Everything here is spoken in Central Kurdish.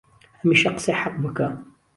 هەمیشە قسەی حەق بکە